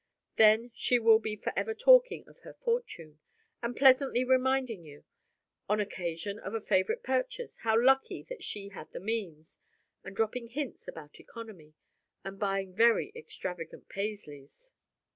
Then she will be forever talking of her fortune; and pleasantly reminding you; on occasion of a favorite purchase, how lucky that she had the means; and dropping hints about economy; and buying very extravagant Paisleys.